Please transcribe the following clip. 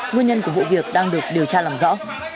nguyên nhân của vụ việc đang được điều tra làm rõ